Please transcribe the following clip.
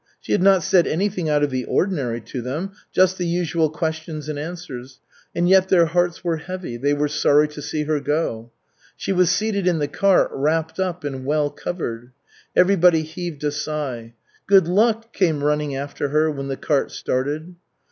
She had not said anything out of the ordinary to them just the usual questions and answers and yet their hearts were heavy, they were sorry to see her go. She was seated in the cart, wrapped up and well covered. Everybody heaved a sigh. "Good luck!" came running after her when the cart started.